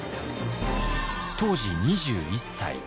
当時２１歳。